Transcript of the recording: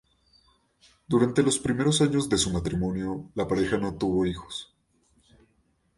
Durante los primeros años de su matrimonio, la pareja no tuvo hijos.